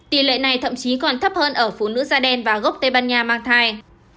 tỷ lệ này thậm chí còn thấp hơn ở phụ nữ da đen và gốc tây ban nha mang thai